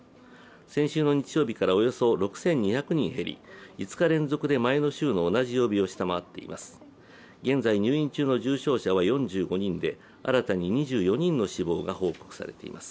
先週の日曜日からおよそ６２００人減り、５日連続で前の週の同じ曜日を下回っています。